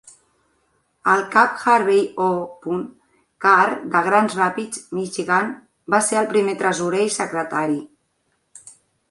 El cap Harvey O. Carr de Grand Rapids, Michigan, va ser el primer tresorer i secretari.